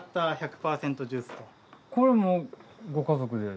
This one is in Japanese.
これもご家族で？